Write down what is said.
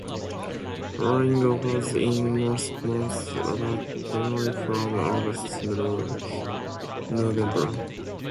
Flowering occurs in most months but mainly from August to November.